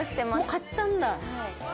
買ったんだ。